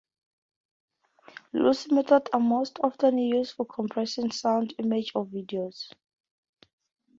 Lossy methods are most often used for compressing sound, images or videos.